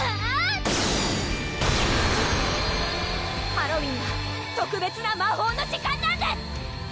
ハロウィーンは特別な魔法の時間なんです！